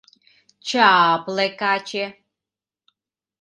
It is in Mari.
«Ча-апле» каче.